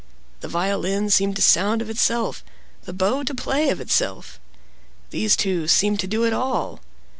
The violin seemed to sound of itself, the bow to play of itself. These two seemed to do it all.